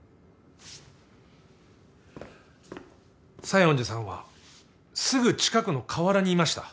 西園寺さんはすぐ近くの河原にいました。